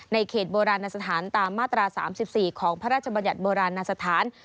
เขตโบราณสถานตามมาตรา๓๔ของพระราชบัญญัติโบราณสถาน